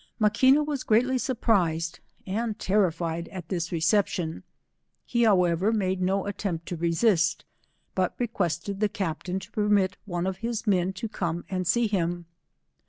Maquina was greatly surprised and terrified at this reception ; he howe* ver, made no attempt to resist, but requested the captain to permit one of his men to come and see him.